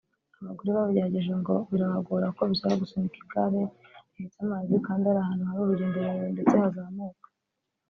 Abagore babigerageje ngo birabagora kuko bisaba gusunika igare rihetse amazi kandi ari ahantu hari urugendo rurerure ndetse hazamuka